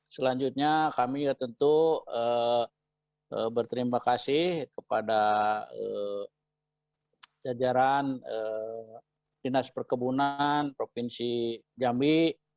selanjutnya kami tentu berterima kasih kepada jajaran dinas perkebunan provinsi jambi